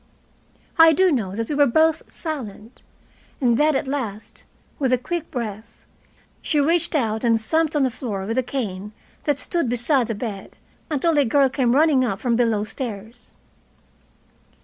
I do know that we were both silent and that at last, with a quick breath, she reached out and thumped on the floor with a cane that stood beside the bed until a girl came running up from below stairs.